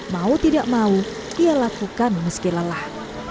mau tidak mau ia lakukan meski lelah